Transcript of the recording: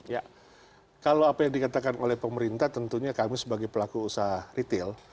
ya kalau apa yang dikatakan oleh pemerintah tentunya kami sebagai pelaku usaha retail